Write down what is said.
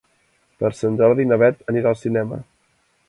Per Sant Jordi na Bet anirà al cinema.